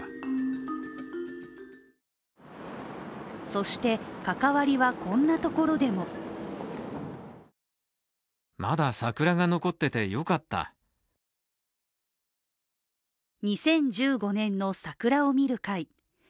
そして、関わりはこんなところでも２０１５年の桜を見る会。